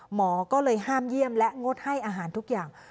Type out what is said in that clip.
หมอก็เลยห้ามเยี่ยมและงดให้อาหารทุกอย่าง